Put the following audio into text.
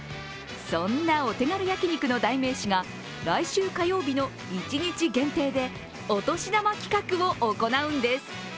そんなお手軽焼き肉の代名詞が来週火曜日の一日限定でお年玉企画を行うんです。